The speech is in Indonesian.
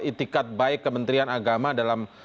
itikat baik kementerian agama dalam